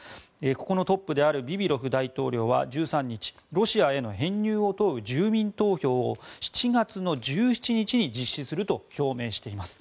ここのトップであるビビロフ大統領は１３日、ロシアへの編入を問う住民投票を７月の１７日に実施すると表明しています。